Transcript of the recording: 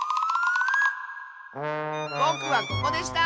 ぼくはここでした！